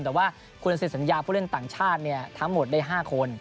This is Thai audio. แต่ว่าคุณจะเสร็จสัญญาผู้เล่นต่างชาติทั้งหมดได้๕คน